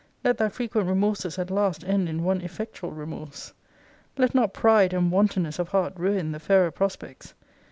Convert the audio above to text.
Let thy frequent remorses at last end in one effectual remorse. Let not pride and wantonness of heart ruin the fairer prospects.